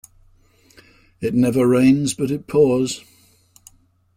It never rains but it pours.